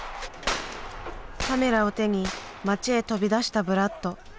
カメラを手に町へ飛び出したブラッド。